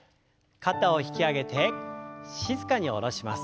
肩を引き上げて静かに下ろします。